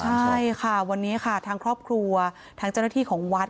ใช่ค่ะวันนี้ค่ะทางครอบครัวทางเจ้าหน้าที่ของวัด